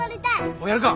おっやるか。